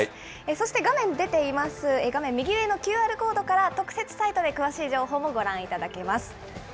そして画面に出ています、画面右上のＱＲコードから、特設サイトで詳しい情報もご覧いただけます。